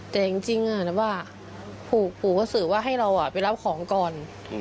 แต่จริงว่าปู่ก็สื่อว่าให้เราไปรับของก่อน